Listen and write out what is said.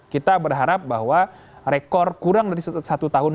kita berharap bahwa rekor kurang dari satu tahun